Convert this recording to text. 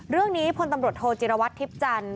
เรื่องนี้พลตำรวจโทจิรวัตรทิพย์จันทร์